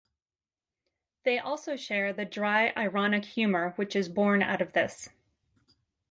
They also share the dry ironic humour which is borne out of this.